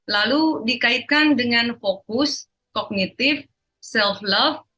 lalu dikaitkan dengan fokus kognitif self love